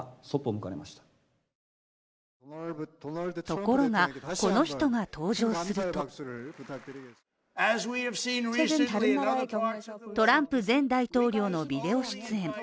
ところが、この人が登場するとトランプ前大統領のビデオ出演。